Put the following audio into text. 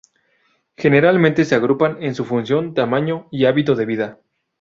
Generalmente se agrupan en su función, tamaño, y hábito de vida.